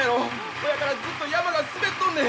ほやからずっと山が滑っとんねん。